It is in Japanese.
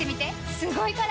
すごいから！